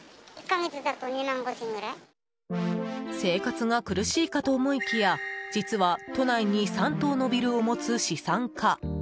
生活が苦しいかと思いきや実は、都内に３棟のビルを持つ資産家。